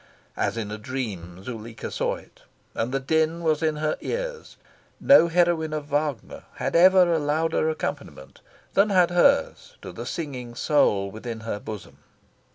As in a dream, Zuleika saw it. And the din was in her ears. No heroine of Wagner had ever a louder accompaniment than had ours to the surging soul within her bosom.